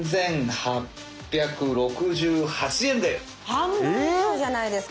半分以上じゃないですか。